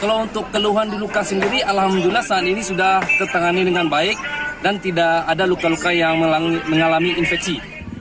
kalau untuk keluhan di luka sendiri alhamdulillah saat ini sudah tertangani dengan baik dan tidak ada luka luka yang mengalami infeksi